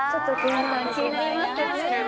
皆さん気になりますよね。